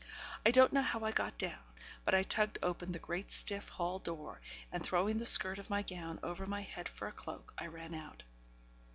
I don't know how I got down, but I tugged open the great stiff hall door, and, throwing the skirt of my gown over my head for a cloak, I ran out.